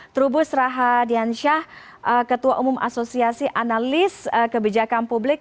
trubus rahadian syah ketua umum asosiasi analis kebijakan publik